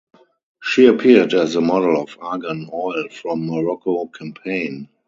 She appeared as the model of Argan Oil from Morocco campaign.